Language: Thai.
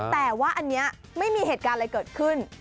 แต่ว่าอันนี้ไม่มีเหตุการณ์อะไรเกิดขึ้น